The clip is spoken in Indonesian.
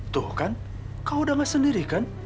tuh kan kau dengan sendiri kan